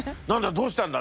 どうしたんだ？」